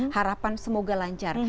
harapan semoga lancar